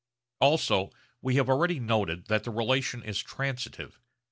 Also we have already noted that the relation is transitive.